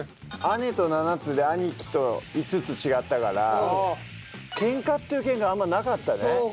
姉と７つで兄貴と５つ違ったからケンカっていうケンカあんまなかったね。